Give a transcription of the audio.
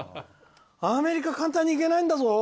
アメリカ簡単に行けないんだぞ。